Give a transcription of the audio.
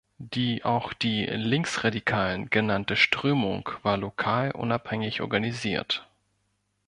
Die auch die "Linksradikalen" genannte Strömung war lokal unabhängig organisiert.